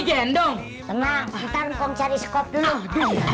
enggak jadi pindah